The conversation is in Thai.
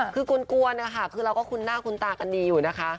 คือกวนนะคะคือเราก็คุ้นหน้าคุ้นตากันดีอยู่นะคะ